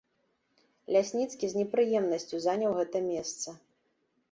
Лясніцкі з непрыемнасцю заняў гэта месца.